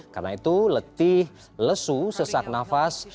karena itu letih lesu sesak nafas